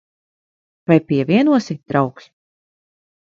Vai pievienosi, draugs?